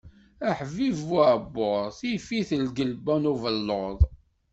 Aḥbib bu uɛebbuḍ, tif-it lgelba n ubellud.